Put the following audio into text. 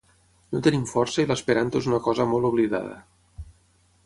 No tenim força i l’esperanto és una cosa molt oblidada.